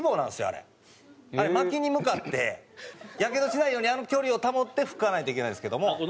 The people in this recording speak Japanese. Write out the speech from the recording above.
あれ薪に向かってやけどしないようにあの距離を保って吹かないといけないんですけども。